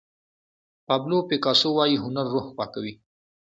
پابلو پیکاسو وایي هنر روح پاکوي.